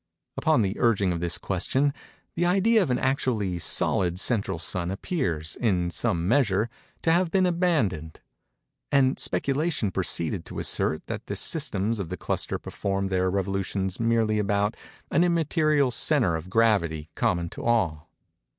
Upon the urging of this question, the idea of an actually solid central sun appears, in some measure, to have been abandoned; and speculation proceeded to assert that the systems of the cluster perform their revolutions merely about an immaterial centre of gravity common to all.